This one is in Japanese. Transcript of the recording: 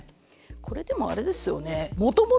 これでもあれですよね